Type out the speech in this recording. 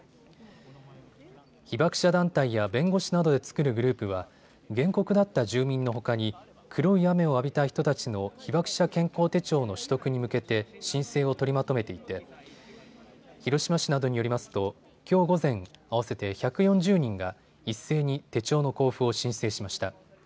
被爆者団体や弁護士などで作るグループは原告だった住民のほかに黒い雨を浴びた人たちの被爆者健康手帳の取得に向けて申請を取りまとめていて広島市などによりますときょう午前、合わせて１４０人が一斉に手帳の交付を申請しました。